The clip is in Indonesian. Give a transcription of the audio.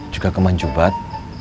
juga kemang jubat